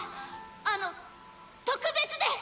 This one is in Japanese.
あの特別で！